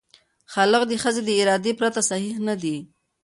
خلع د ښځې د ارادې پرته صحیح نه دی.